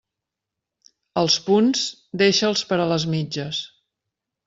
Els punts, deixa'ls per a les mitges.